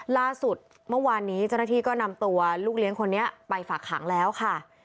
ล่าสุดเมื่อวานนี้เจ้าหน้าที่ก็นำตัวลูกเลี้ยงคนนี้ไปฝากขังแล้วค่ะ